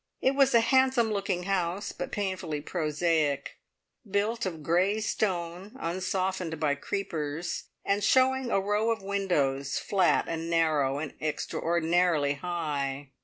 It was a handsome looking house, but painfully prosaic, built of grey stone, unsoftened by creepers, and showing a row of windows flat and narrow, and extraordinarily high.